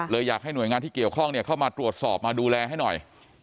อยากให้หน่วยงานที่เกี่ยวข้องเข้ามาตรวจสอบมาดูแลให้หน่อย